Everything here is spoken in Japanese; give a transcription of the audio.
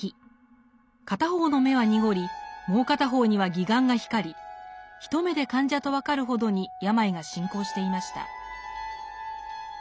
片方の眼は濁りもう片方には義眼が光り一目で患者と分かるほどに病が進行していました。